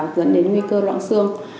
dẫn đến nguy cơ loãng xương